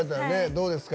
どうですか？